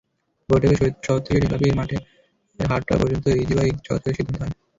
বৈঠকে সৈয়দপুর শহর থেকে ঢেলাপীর হাটের মাঠ পর্যন্ত ইজিবাইক চলাচলের সিদ্ধান্ত হয়।